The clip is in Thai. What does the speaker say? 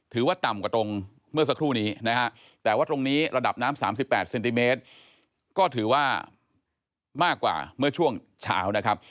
ถือว่าต่ำกว่าตรงเมื่อสักครู่นี้นะฮะแต่ว่าตรงนี้ระดับน้ำ๓๘เซนติเมตรก็ถือว่ามากกว่าเมื่อช่วงเช้านะครับ